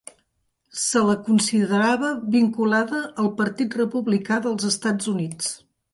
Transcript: Se la considerava vinculada al Partit Republicà dels Estats Units.